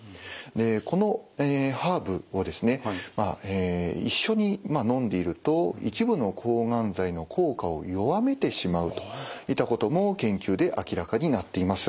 このハーブをですね一緒にのんでいると一部の抗がん剤の効果を弱めてしまうといったことも研究で明らかになっています。